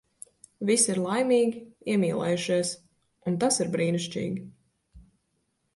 Visi ir laimīgi, iemīlējušies. Un tas ir brīnišķīgi.